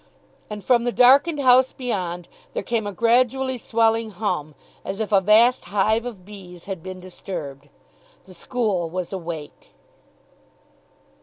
And from the darkened house beyond there came a gradually swelling hum, as if a vast hive of bees had been disturbed. The school was awake.